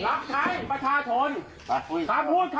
ตั้งแต่อยู่บนออวตอร์แล้วของครูกู